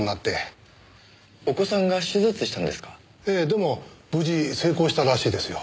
でも無事成功したらしいですよ。